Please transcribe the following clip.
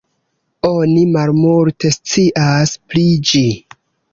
Oni malmulte scias pri ĝi.